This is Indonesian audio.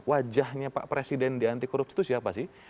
wajahnya pak presiden di anti korupsi itu siapa sih